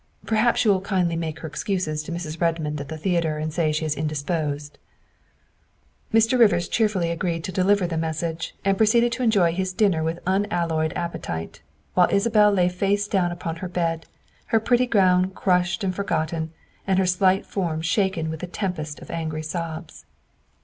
Perhaps you will kindly make her excuses to Mrs. Redmond at the theatre and say she is indisposed." Mr. Rivers cheerfully agreed to deliver the message 202 THE WIFE OF and proceeded to enjoy his dinner with unalloyed appe tite, while Isabel lay face downward upon her bed, her pretty gown crushed and forgotten, and her slight form shaken with a tempest of angry sobs.